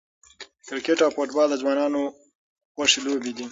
کرکټ او فوټبال د ځوانانو خوښې لوبې دي.